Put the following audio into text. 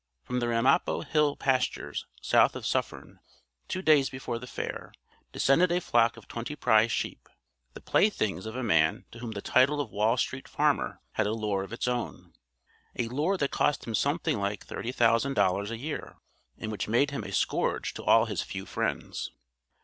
From the Ramapo hill pastures, south of Suffern, two days before the fair, descended a flock of twenty prize sheep the playthings of a man to whom the title of Wall Street Farmer had a lure of its own a lure that cost him something like $30,000 a year; and which made him a scourge to all his few friends.